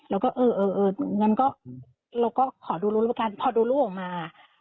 เอองั้นก็เราก็ขอดูรูปการพอดูรูปออกมา